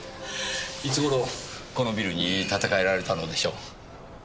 いつ頃このビルに建て替えられたのでしょう？